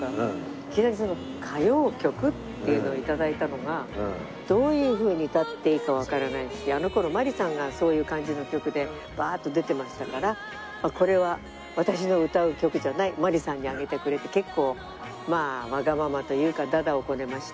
いきなり歌謡曲っていうのをいただいたのがどういう風に歌っていいかわからないしあの頃まりさんがそういう感じの曲でバーッと出てましたから「これは私が歌う曲じゃない」「まりさんにあげてくれ」って結構まあわがままというか駄々をこねました。